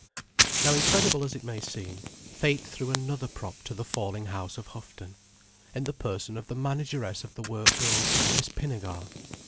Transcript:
Now incredible as it may seem, fate threw another prop to the falling house of Houghton, in the person of the manageress of the work girls, Miss Pinnegar.